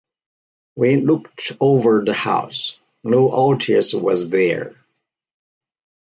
We looked over the house; no Otis was there!